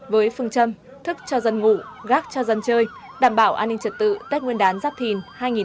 với phương châm thức cho dân ngủ gác cho dân chơi đảm bảo an ninh trật tự tết nguyên đán giáp thìn hai nghìn hai mươi bốn